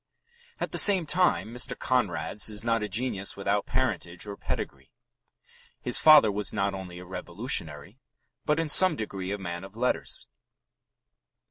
At the same time, Mr. Conrad's is not a genius without parentage or pedigree. His father was not only a revolutionary, but in some degree a man of letters.